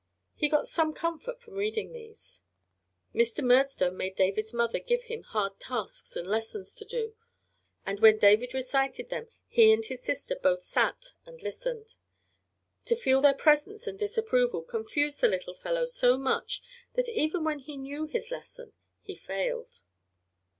He got some comfort from reading these. Mr. Murdstone made David's mother give him hard tasks and lessons to do, and when David recited them he and his sister both sat and listened. To feel their presence and disapproval confused the little fellow so much that even when he knew his lesson he failed.